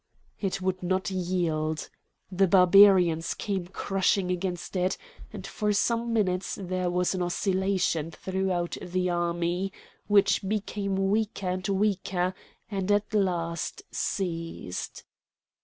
It would not yield. The Barbarians came crushing against it;—and for some minutes there was an oscillation throughout the army, which became weaker and weaker, and at last ceased.